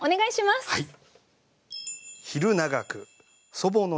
はい。